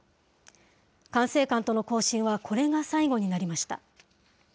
管制官との交信はこれが最後になりました。